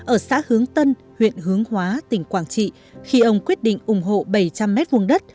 ở xã hướng tân huyện hướng hóa tỉnh quảng trị khi ông quyết định ủng hộ bảy trăm linh m hai đất